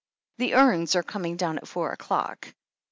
"The urns are coming down at four o'clock.